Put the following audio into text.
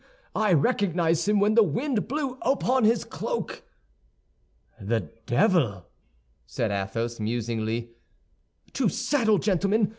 I recognized him when the wind blew upon his cloak." "The devil!" said Athos, musingly. "To saddle, gentlemen!